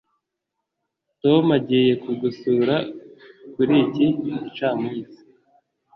Tom agiye kugusura kuri iki gicamunsi.